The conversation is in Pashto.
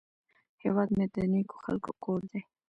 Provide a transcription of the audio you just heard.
هیواد مې د نیکو خلکو کور دی